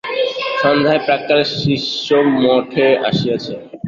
সন্ধ্যায় প্রাক্কালে শিষ্য মঠে আসিয়াছে।